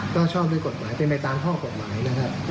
ก็ชอบด้วยกฎหมายเป็นไปตามข้อกฎหมายนะครับ